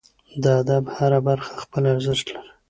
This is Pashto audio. د ادب هره برخه خپل ارزښت لري.